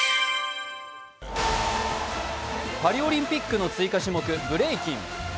パリオリンピックの追加種目ブレイキ。